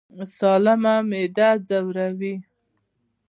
مساله معده ځوروي